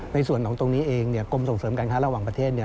ในส่วนของตรงนี้เองกรมส่งเสริมการค้าระหว่างประเทศ